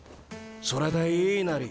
それでいいナリ。